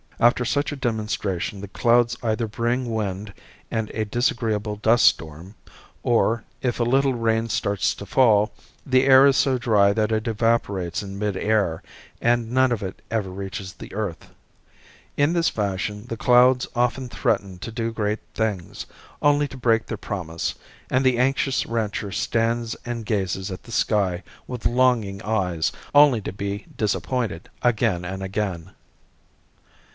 After such a demonstration the clouds either bring wind and a disagreeable dust storm, or, if a little rain starts to fall, the air is so dry that it evaporates in mid air, and none of it ever reaches the earth. In this fashion the clouds often threaten to do great things, only to break their promise; and the anxious rancher stands and gazes at the sky with longing eyes, only to be disappointed again and again.